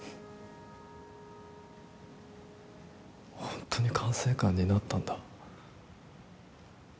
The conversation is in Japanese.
本当に管制官になったんだ。